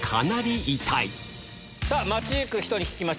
さあ、街行く人に聞きました。